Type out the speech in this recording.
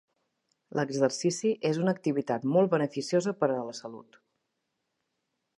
L'exercici és una activitat molt beneficiosa per a la salut.